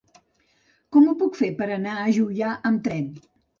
Com ho puc fer per anar a Juià amb tren?